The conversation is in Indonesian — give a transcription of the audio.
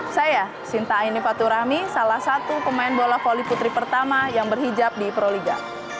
saya sinta aini faturami salah satu pemain bola voli putri pertama yang berhijab di proliga